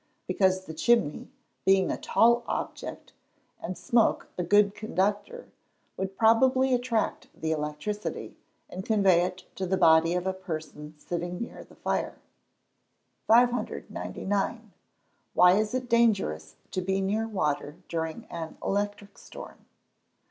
_ Because the chimney, being a tall object, and smoke a good conductor, would probably attract the electricity, and convey it to the body of a person sitting near the fire. 599. _Why is it dangerous to be near water during an electric storm?